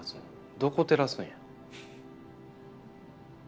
どこ照らすんや？